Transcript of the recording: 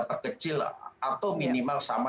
perkecil atau minimal sama